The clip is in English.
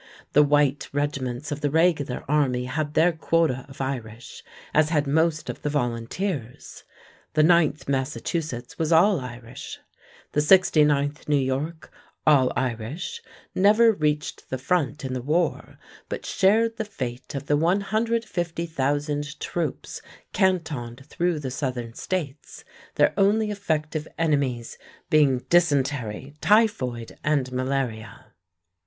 The white regiments of the regular army had their quota of Irish, as had most of the volunteers. The 9th Massachusetts was all Irish. The 69th New York, all Irish, never reached the front in the war, but shared the fate of the 150,000 troops cantoned through the Southern States, their only effective enemies being dysentery, typhoid, and malaria.